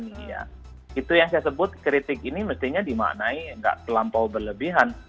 itu yang saya sebut kritik ini mestinya dimaknai nggak terlampau berlebihan